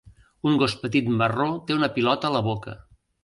Un gos petit marró té una pilota a la boca.